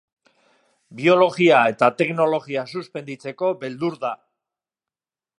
Biologia eta teknologia suspenditzeko beldur da.